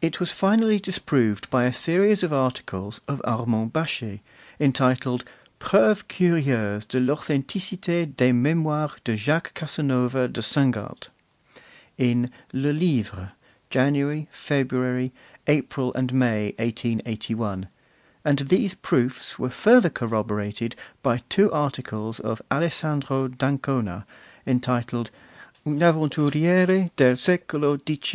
It was finally disproved by a series of articles of Armand Baschet, entitled 'Preuves curieuses de l'authenticite des Memoires de Jacques Casanova de Seingalt,' in 'Le Livre,' January, February, April and May, 1881; and these proofs were further corroborated by two articles of Alessandro d'Ancona, entitled 'Un Avventuriere del Secolo XVIII.